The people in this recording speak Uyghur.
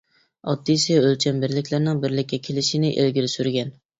ئاددىيسى ئۆلچەم بىرلىكلىرىنىڭ بىرلىككە كېلىشىنى ئىلگىرى سۈرگەن.